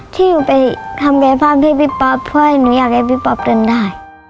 ที่หนูไปทำกายภาพให้พี่ป๊อปเพื่อให้หนูอยากให้พี่ป๊อปเดินได้